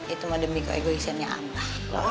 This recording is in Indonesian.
itu mah demi keegoisiannya abah